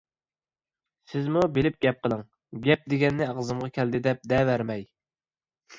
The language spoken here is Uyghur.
سىزمۇ بىلىپ گەپ قىلىڭ! گەپ دېگەننى ئاغزىمغا كەلدى دەپ دەۋەرمەي!